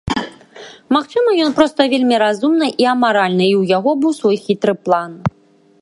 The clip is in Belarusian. Магчыма, ён проста вельмі разумны і амаральны, і ў яго быў свой хітры план.